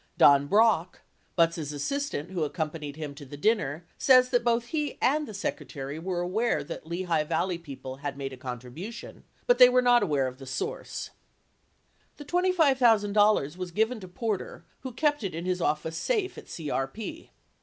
Don Brock, Butz' assistant who accompanied him to the dinner, says that both he and the Secretary were aware that the Lehigh Valley people had made a contribution but that they were not aware of the source. The $25,000 was given to Porter, who kept it in his office safe at CRP.